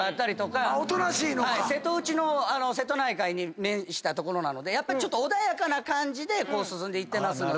瀬戸内の瀬戸内海に面した所なのでちょっと穏やかな感じで進んでいってますので。